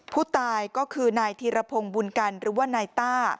ผู้ตายก็คือนายธีรพงศ์บุญกันหรือว่านายต้า